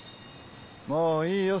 もういいよ